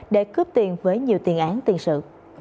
để cướp tiền với nhiều tiền án tiền sự